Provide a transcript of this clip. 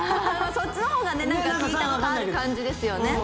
そっちのほうが何か聞いたことある感じですよね。